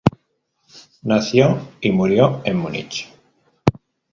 Nació y murió en Múnich.